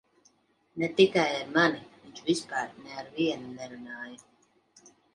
Ne tikai ar mani - viņš vispār ne ar vienu nerunāja.